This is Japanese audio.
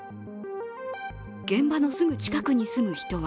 現場のすぐ近くに住む人は